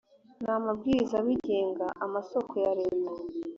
n amabwiriza abigenga amasoko ya leta